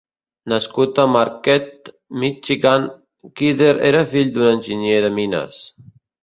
Nascut a Marquette, Michigan, Kidder era fill d'un enginyer de mines.